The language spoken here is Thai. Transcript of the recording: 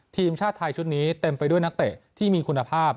ทีมชาติไทยชุดนี้เต็มไปด้วยนักเตะที่มีคุณภาพ